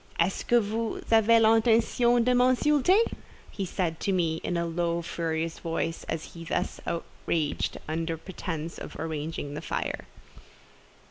"Est ce que vous avez l'intention de m'insulter?" said he to me, in a low, furious voice, as he thus outraged, under pretence of arranging the fire.